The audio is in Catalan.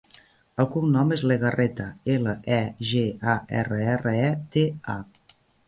El cognom és Legarreta: ela, e, ge, a, erra, erra, e, te, a.